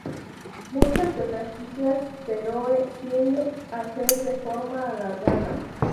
Muchas de las islas Feroe tienden a ser de forma alargada.